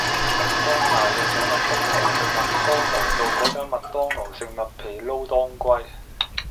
麥當娜約左麥當雄去麥當勞道個間麥當勞食麥皮撈當歸